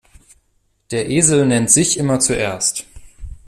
Der Esel nennt sich immer zuerst.